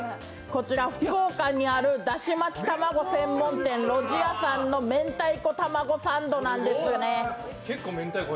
こちら、福岡にあるだし巻き卵専門店ろじ屋さんの明太たまごサンドなんですね。